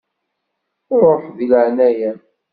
Ruḥ, deg leɛnaya-m.